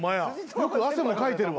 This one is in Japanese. よく汗もかいてるわ。